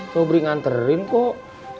sobri nganterin kok